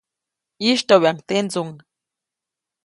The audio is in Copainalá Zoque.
ʼYistyoʼbyaʼuŋ tendsuŋ.